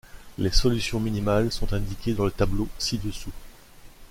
Les solutions minimales sont indiquées dans le tableau ci-dessous.